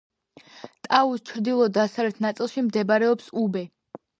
ტაუს ჩრდილო-დასავლეთ ნაწილში მდებარეობს უბე.